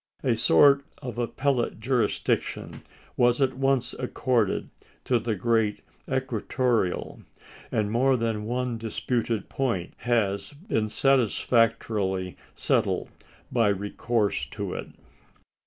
A sort of appellate jurisdiction was at once accorded to the great equatoreal, and more than one disputed point has been satisfactorily settled by recourse to it.